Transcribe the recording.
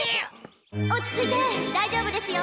落ち着いて大丈夫ですよ。